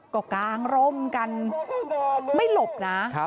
ก็กางร่มกันไม่หลบนะ